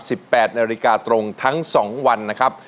แปดนาฬิกาตรงทั้งสองวันนะครับ